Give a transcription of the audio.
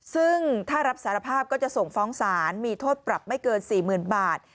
ซึ่งถ้ารับสารภาพก็จะส่งฟ้องศาลมีโทษปรับไม่เกิน๔๐๐๐บาท